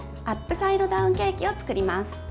サイドダウンケーキを作ります。